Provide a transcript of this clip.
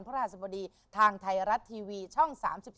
พระราชสบดีทางไทยรัฐทีวีช่อง๓๒